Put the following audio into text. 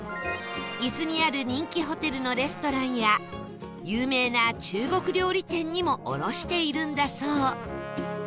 伊豆にある人気ホテルのレストランや有名な中国料理店にも卸しているんだそう